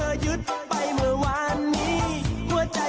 ร้องผู้ประชาการตำรวจแห่งชาติ